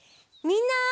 みんな。